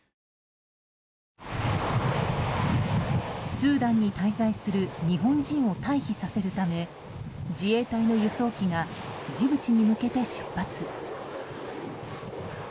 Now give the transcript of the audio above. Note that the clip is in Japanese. スーダンに滞在する日本人を退避させるため自衛隊の輸送機がジブチに向けて出発。